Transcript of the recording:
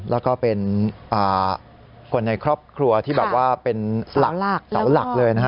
แล้วก็เป็นคนในครอบครัวที่เป็นเหล่าหลักเลย